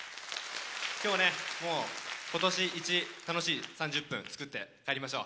今日もね今年イチ楽しい３０分作って帰りましょう。